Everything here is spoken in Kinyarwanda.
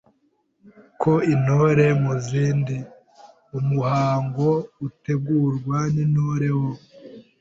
k. Intore mu zindi: Umuhango utegurwa n’Intore wo